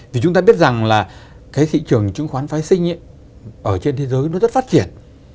vì chúng ta biết rằng là cái thị trường chứng khoán vaccine ở trên thế giới nó rất phát triển